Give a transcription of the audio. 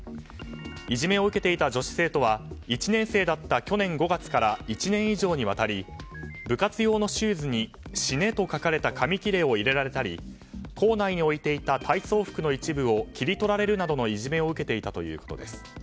いじめを受けていた女子生徒は１年生だった去年５月から１年以上にわたり部活用のシューズに「しね」と書かれた紙きれを入れられたり校内に置いていた体操服の一部を切り取られるなどのいじめを受けていたということです。